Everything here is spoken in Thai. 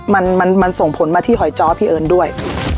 มันมันส่งผลมาที่หอยจ้อพี่เอิญด้วย